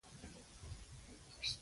ښه پرل کوناټي خو لري